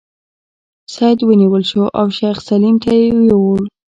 سید ونیول شو او شیخ سلیم ته یې یووړ.